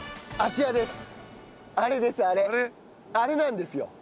あれなんですよ。